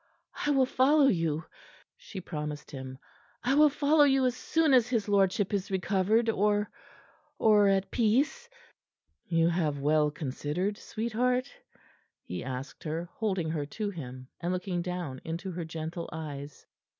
"I will follow you," she promised him. "I will follow you as soon as his lordship is recovered, or or at peace." "You have well considered, sweetheart?" he asked her, holding her to him, and looking down into her gentle eyes.